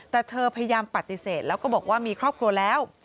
แต่เธอพยายามปฏิเสธแล้วก็บอกว่ามีครอบครัวแล้ว